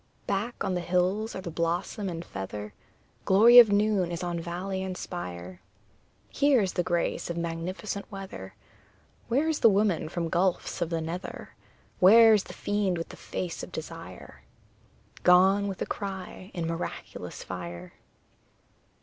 Back on the hills are the blossom and feather, Glory of noon is on valley and spire; Here is the grace of magnificent weather, Where is the woman from gulfs of the nether? Where is the fiend with the face of desire? Gone, with a cry, in miraculous fire!